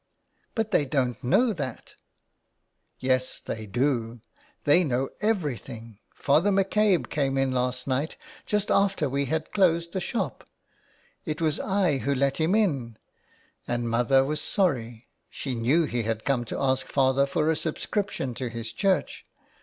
"But they don't know that—" "Yes, they do. They know everything. Father McCabe came in last night, just after we had closed the shop. It was I who let him in, and mother 17 B IN THE CLAY. was sorry. She knew he had come to ask father for a subscription to his church.